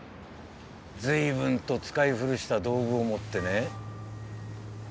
ずいぶんと使い古した道具を持ってね